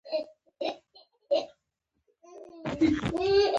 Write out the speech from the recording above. ګناهکار مختلسین دي.